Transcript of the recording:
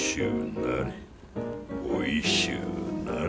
おいしゅうなれ。